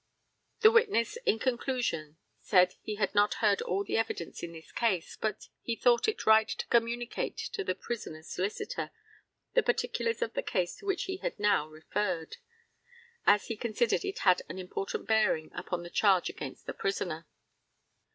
The witness, in conclusion, said he had not heard all the evidence in this case, but he thought it right to communicate to the prisoner's solicitor the particulars of the case to which he had now referred, as he considered it had an important bearing upon the charge against the prisoner.